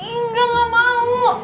enggak gak mau